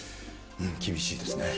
厳しいですね。